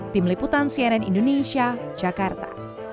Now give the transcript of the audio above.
tim liputan cnn indonesia jakarta